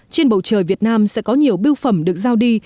trên bầu trời việt nam sẽ có nhiều biêu phẩm được giao đi